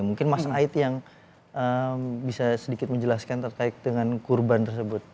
mungkin mas aid yang bisa sedikit menjelaskan terkait dengan kurban tersebut